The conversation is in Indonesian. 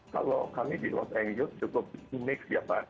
kalau kami di los angeles cukup unik ya pak